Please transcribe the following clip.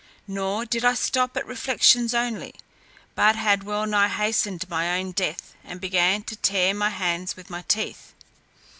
Nor did I stop at reflections only, but had well nigh hastened my own death, and began to tear my hands with my teeth.